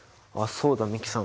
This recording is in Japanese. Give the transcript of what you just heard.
そうだ美樹さん。